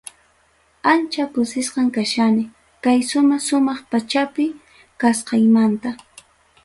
Ancha kusisqam kachkani kaysuma sumaq pachapi kasqaymanta.